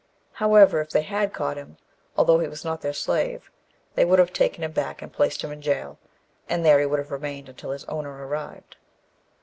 However, if they had caught him, although he was not their slave, they would have taken him back and placed him in jail, and there he would have remained until his owner arrived.